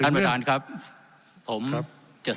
ทั้งสองกรณีผลเอกประยุทธ์